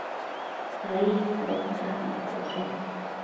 ai adota abi iccoshe